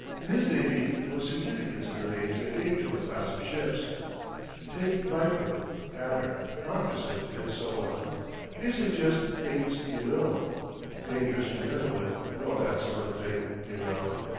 In his navy there was significance in the names they gave to a class of ships. "Take Viper, Adder, Moccasin, and so on they suggest things y' know. Dangerous to meddle with and all that sort of thing, y' know.